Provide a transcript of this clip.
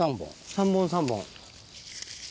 ３本３本。